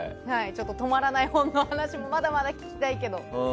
ちょっと止まらない本の話もまだまだ聞きたいけど。